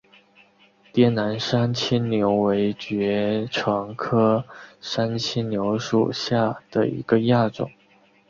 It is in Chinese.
滇南山牵牛为爵床科山牵牛属下的一个亚种。